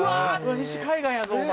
「西海岸」やぞお前。